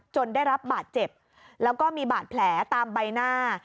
ได้รับบาดเจ็บแล้วก็มีบาดแผลตามใบหน้า